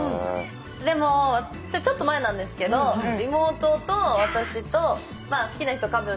でもちょっと前なんですけどえ！